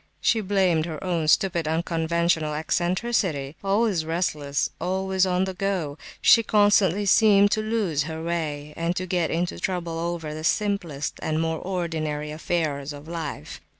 She blamed her own stupid unconventional "eccentricity." Always restless, always on the go, she constantly seemed to lose her way, and to get into trouble over the simplest and more ordinary affairs of life.